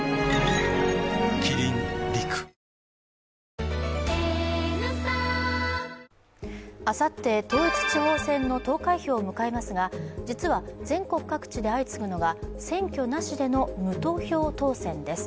キリン「陸」あさって統一地方選の投開票を迎えますが、実は全国各地で相次ぐのが選挙なしでの無投票当選です。